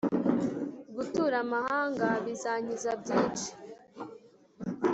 Gutura amahanga Bizankiza byinshi